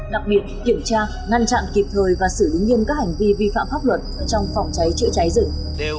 đặc biệt kiểm tra ngăn chặn kịp thời và xử lý nghiêm các hành vi vi phạm pháp luật trong phòng cháy chữa cháy rừng